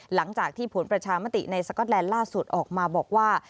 หลังจากที่ผลประชามติในสก๊อตแลนด์ล่าสุดออกมาบอกว่า